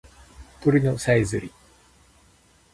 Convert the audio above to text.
鳥のさえずり